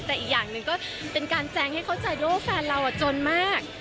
แต่อีกอย่างหนึ่งก็เป็นการแซงให้เข้าใจด้วยว่าแฟนเราจนมาก